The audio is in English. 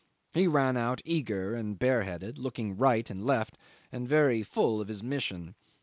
He ran out eager and bareheaded, looking right and left, and very full of his mission.